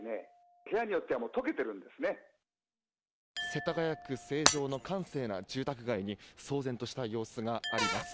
世田谷区成城の閑静な住宅街に騒然とした様子があります。